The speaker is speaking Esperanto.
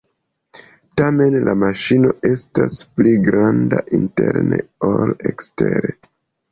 Tamen, la maŝino estas pli granda interne ol ekstere.